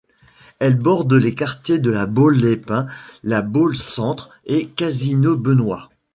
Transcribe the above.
Elle borde les quartiers de La Baule-les-Pins, La Baule-Centre et Casino-Benoît.